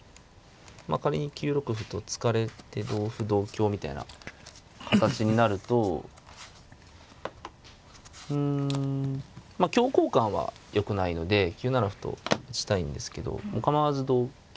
仮に９六歩と突かれて同歩同香みたいな形になるとうんまあ香交換はよくないので９七歩と打ちたいんですけど構わず同香。